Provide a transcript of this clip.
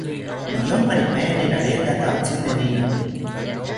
Niyomparipaeni raretaka otzitenini